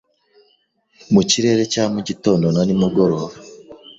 mu kirere cya mugitondo nanimugoroba